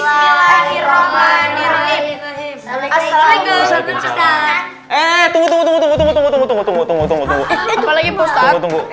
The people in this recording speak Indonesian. eh tunggu tunggu tunggu tunggu tunggu tunggu tunggu tunggu tunggu tunggu